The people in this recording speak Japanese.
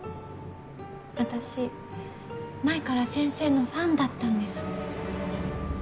私前から先生のファンだったんです。